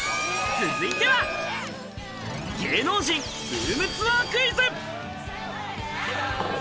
続いては芸能人ルームツアークイズ。